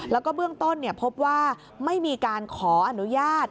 แล้วก็เบื้องต้นพบว่าไม่มีการขออนุญาต